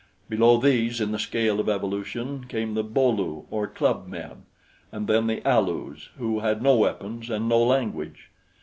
Below these in the scale of evolution came the Bo lu, or club men, and then the Alus, who had no weapons and no language.